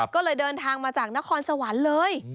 ก็เลยเดินทางมาจากนครสวรรค์เลย